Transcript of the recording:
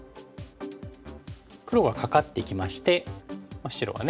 黒がカカってきまして白はね